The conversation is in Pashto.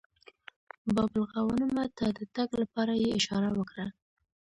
باب الغوانمه ته د تګ لپاره یې اشاره وکړه.